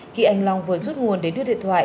khi anh long vừa rút nguồn để đưa điện thoại